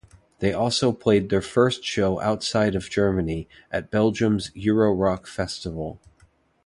They also played their first show outside of Germany, at Belgium's Eurorock Festival.